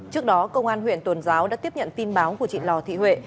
trước đó công an huyện tuần giáo đã tiếp nhận tin báo của chị lò thị huệ